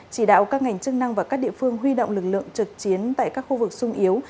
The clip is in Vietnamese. chỉ đạo các ngành chức năng và các địa phương huy động lực lượng trực chiến tại các khu vực sung yếu